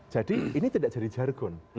jadi ini tidak jadi jargon